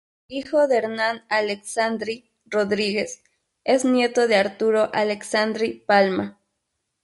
Hijo de Hernán Alessandri Rodríguez, es nieto de Arturo Alessandri Palma.